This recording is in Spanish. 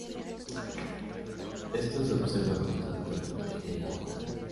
Esto se observa constantemente en la obra.